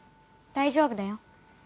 大丈夫だよ。